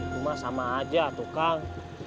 rumah sama aja atuh kang